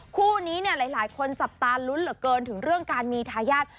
คู่นี้เนี่ยหลายคนจับตาลุ้นเหลือเกินถึงเรื่องการมีทายาท